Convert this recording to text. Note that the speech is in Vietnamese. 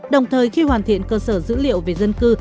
đồng thời khi hoàn thiện cơ sở dữ liệu về dân cư